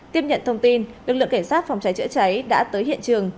tiếp nhận thông tin lực lượng cảnh sát phòng cháy chữa cháy đã tới hiện trường